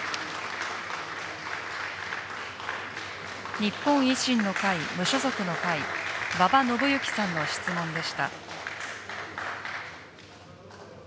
日本維新の会・無所属の会・馬場伸幸さんの質問でした。